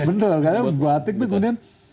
bener karena batik tuh kemudian